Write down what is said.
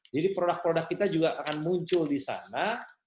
jadi produk produk kita juga akan muncul di sana